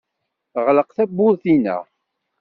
Ɣleq tawwurt-inna.